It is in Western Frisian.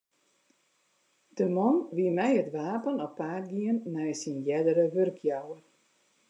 De man wie mei it wapen op paad gien nei syn eardere wurkjouwer.